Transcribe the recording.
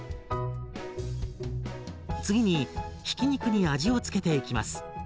次にひき肉に味を付けていきます。